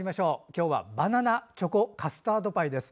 今日はバナナチョコカスタードパイです。